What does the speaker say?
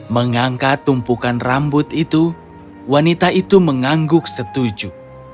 mengangkat tumpukan rambut itu wanita itu mengangguk setuju